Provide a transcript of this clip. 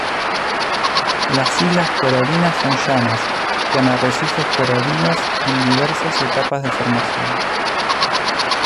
Las islas coralinas son llanas, con arrecifes coralinos en diversas etapas de formación.